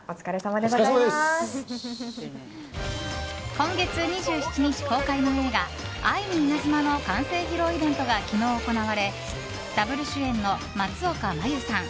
今月２７日公開の映画「愛にイナズマ」の完成披露イベントが昨日行われダブル主演の松岡茉優さん